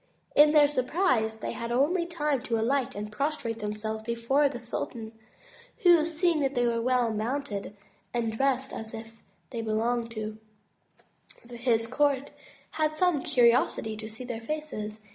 In their surprise they had only time to alight and prostrate themselves before the sultan, who seeing they were well mounted and dressed as if they belonged to his court, had some curiosity to see their faces.